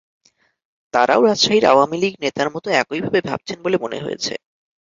তারাও রাজশাহীর আওয়ামী লীগ নেতার মতো একইভাবে ভাবছেন বলে মনে হয়েছে।